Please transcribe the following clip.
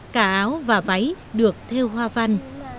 cả áo và váy được theo hoa văn